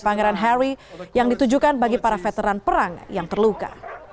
pangeran harry yang ditujukan bagi para veteran perang yang terluka